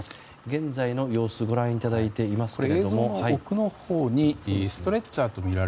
現在の様子ご覧いただいていますが。